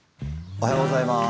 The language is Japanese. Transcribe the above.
おはようございます。